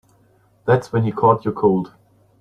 That's when he caught your cold.